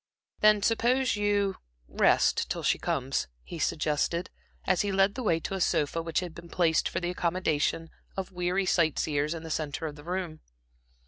"Then suppose you a rest till she comes?" he suggested, as he led the way to a sofa which had been placed for the accommodation of weary sight seers in the centre of the room.